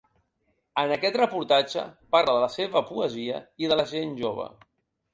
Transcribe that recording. En aquest reportatge parla de la seva poesia i de la gent jove.